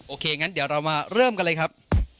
โอเคงั้นเดี๋ยวเรามาเริ่มกันเลยครับ